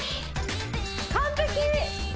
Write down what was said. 完璧！